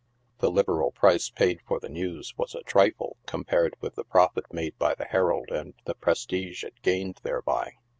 The liberal price paid for the news was a trifle, compared with the profit made by the Herald and the prestige it gained thereby.